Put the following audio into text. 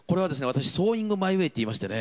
私ソーイングマイウェイっていいましてね